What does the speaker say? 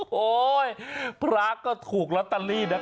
โอ้โหพระก็ถูกละตัลลี่นะครับ